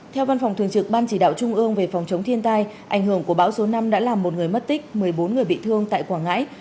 theo văn phòng thường trực ban chỉ đạo trung ương về phòng chống thiên tai ảnh hưởng của bão số năm đã làm một người mất tích một mươi bốn người bị thương tại quảng ngãi